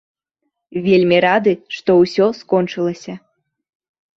Вельмі рады, што ўсё скончылася.